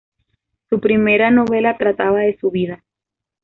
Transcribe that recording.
Su primera novela trataba de su vida.